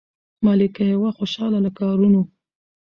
ملکه یې وه خوشاله له کارونو